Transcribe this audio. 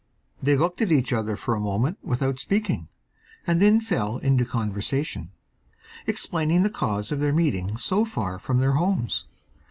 They looked at each other for a moment without speaking, and then fell into conversation, explaining the cause of their meeting so far from their homes.